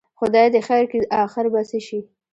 خدای دې خیر کړي، اخر به څه شي؟